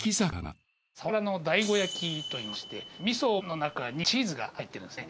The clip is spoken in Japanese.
サワラの醍醐焼といいまして味噌の中にチーズが入ってますね。